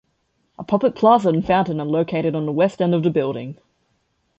A public plaza and fountain are located on the west end of the building.